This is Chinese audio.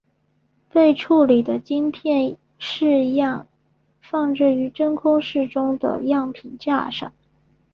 被处理的晶片试样放置于真空室中的样品架上。